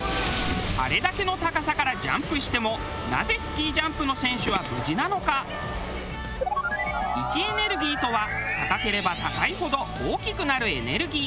あれだけの高さからジャンプしても位置エネルギーとは高ければ高いほど大きくなるエネルギー。